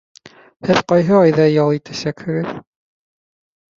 Һеҙ ҡайһы айҙа ял итәсәкһегеҙ?